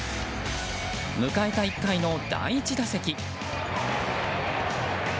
迎えた１回の第１打席。